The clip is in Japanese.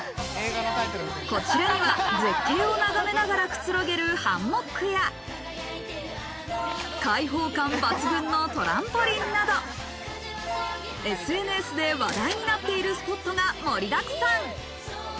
こちらには絶景を眺めながらくつろげるハンモックや開放感抜群のトランポリンなど、ＳＮＳで話題になっているスポットが盛りだくさん。